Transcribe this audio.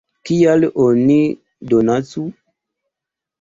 Kial oni donacu?